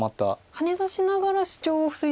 ハネ出しながらシチョウを防いでるんですね。